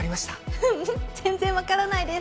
ううん全然分からないです。